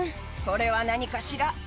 これは何かしら？